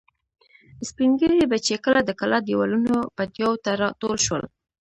سپین ږیري به چې کله د کلا دېوالونو پیتاوو ته را ټول شول.